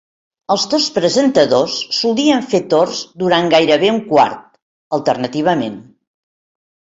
Els dos presentadors solien fer torns durant gairebé un quart, alternativament.